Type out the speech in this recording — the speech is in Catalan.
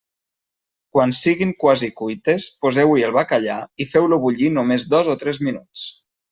Quan siguin quasi cuites, poseu-hi el bacallà i feu-lo bullir només dos o tres minuts.